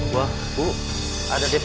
wah bu ada yang nangis